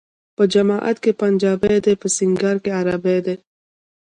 په جماعت کي پنجابی دی ، په سنګسار کي عربی دی